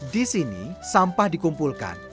di sini sampah dikumpulkan